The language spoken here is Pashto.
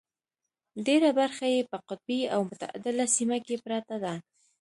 ډېره برخه یې په قطبي او متعدله سیمه کې پرته ده.